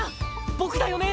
僕だよね？